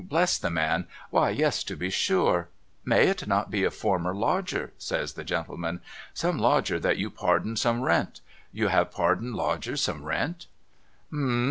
' Bless the man ! Why yes to be sure !'' May it not be a former lodger ?' says the gentleman. ' Some lodger that you pardoned some rrwent? You have pardoned lodgers some rrwent ?'' Hem